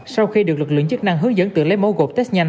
sau khi được lực lượng chức năng hướng dẫn tự lấy mẫu gột test nhanh